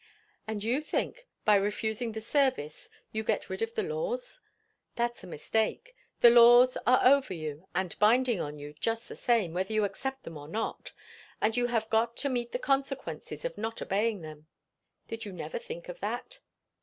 "And you think, by refusing the service you get rid of the laws? That's a mistake. The laws are over you and binding on you, just the same, whether you accept them or not; and you have got to meet the consequences of not obeying them. Did you never think of that?"